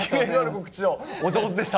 告知を、お上手でした。